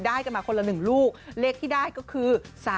ได้กันมาคนละ๑ลูกเหล็กที่ได้คือ๓๗๘